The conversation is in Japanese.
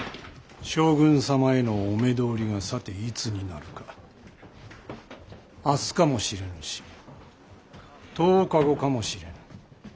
将軍様へのお目通りがさていつになるか明日かもしれぬし１０日後かもしれぬ。